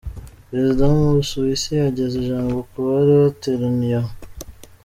Perezida w'u Busuwisi ageze ijambo kubari bateraniye aho.